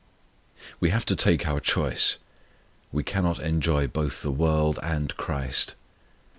We have to take our choice: we cannot enjoy both the world and CHRIST.